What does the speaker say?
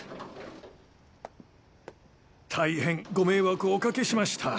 大変ご迷惑をおかけしました。